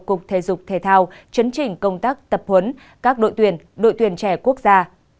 cục thể dục thể thao chấn chỉnh công tác tập huấn các đội tuyển đội tuyển trẻ quốc gia